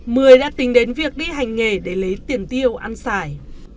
mười đã tính đến việc đi hành nghề để lấy tiền tiêu ăn sải